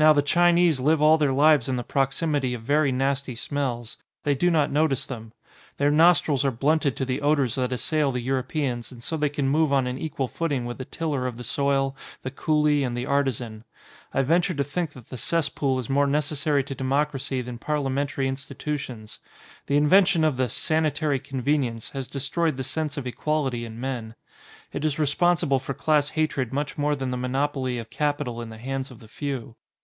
Now, the Chinese live all their lives in the proximity of very nasty smells. They do not notice them. Their nostrils are blunted to the odours that assail the Europeans and so they can move on an equal footing with the 142 DEMOCRACY ■tiller of the soil, the coolie, and the artisan. I "venture to think that the cess pool is more neces sary to democracy than parliamentary institu tions. The invention of the "sanitary conven ience" has destroyed the sense of equality in men. It is responsible for class hatred much more than the monopoly of capital in the hands of the few.